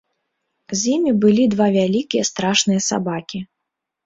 З імі былі два вялікія страшныя сабакі.